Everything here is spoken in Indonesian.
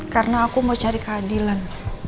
karena aku mau cari keadilan